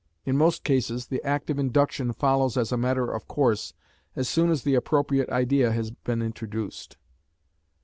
In most cases the act of induction follows as a matter of course as soon as the appropriate idea has been introduced."